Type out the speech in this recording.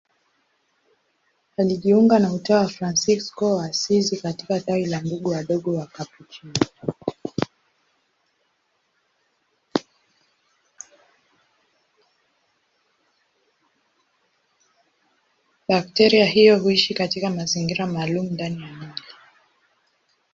Bakteria hiyo huishi katika mazingira maalumu ndani ya mwili.